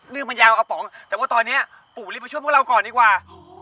เนื่องมันยาวอป๋องแต่ว่าตอนเนี่ยปูรีบมาช่วยพวกเราก่อนดีกว่า